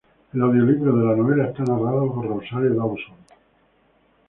El audiolibro de la novela está narrado por Rosario Dawson.